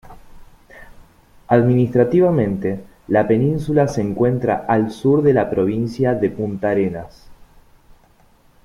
Administrativamente, la península se encuentra al sur de la provincia de Puntarenas.